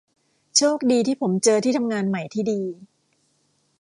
โชคดีที่ผมเจอที่ทำงานใหม่ที่ดี